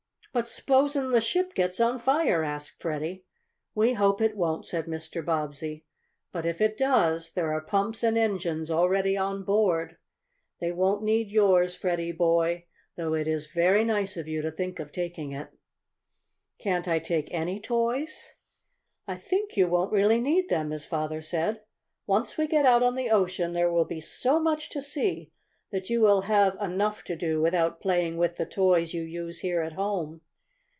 "But s'posin' the ship gets on fire?" asked Freddie. "We hope it won't," said Mr. Bobbsey. "But, if it does, there are pumps and engines already on board. They won't need yours, Freddie boy, though it is very nice of you to think of taking it." "Can't I take any toys?" "I think you won't really need them," his father said. "Once we get out on the ocean there will be so much to see that you will have enough to do without playing with the toys you use here at home.